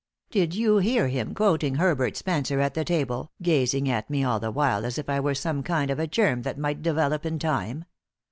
Did you hear him quoting Herbert Spencer at the table, gazing at me all the while as if I were some kind of a germ that might develop in time?